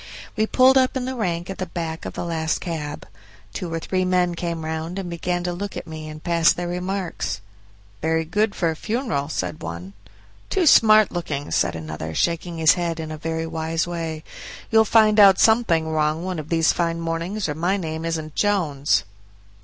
We pulled up in the rank at the back of the last cab. Two or three men came round and began to look at me and pass their remarks. "Very good for a funeral," said one. "Too smart looking," said another, shaking his head in a very wise way; "you'll find out something wrong one of these fine mornings, or my name isn't Jones."